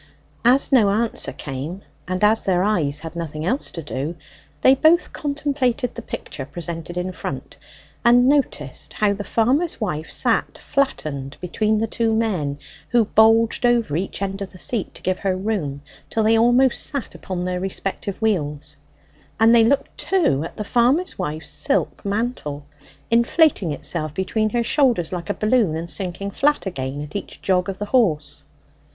As no answer came, and as their eyes had nothing else to do, they both contemplated the picture presented in front, and noticed how the farmer's wife sat flattened between the two men, who bulged over each end of the seat to give her room, till they almost sat upon their respective wheels; and they looked too at the farmer's wife's silk mantle, inflating itself between her shoulders like a balloon and sinking flat again, at each jog of the horse.